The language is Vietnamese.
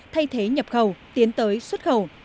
thay thế nhập khẩu tiến tới xuất khẩu